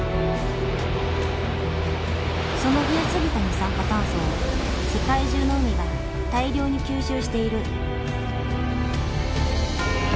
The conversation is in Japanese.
その増えすぎた二酸化炭素を世界中の海が大量に吸収している。